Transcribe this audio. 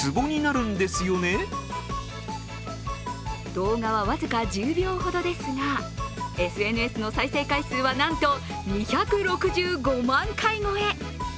動画は僅か１０秒ほどですがＳＮＳの再生回数はなんと２６５万回超え。